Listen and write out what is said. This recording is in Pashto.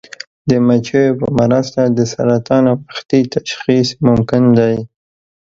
د مچیو په مرسته د سرطان وختي تشخیص ممکن دی.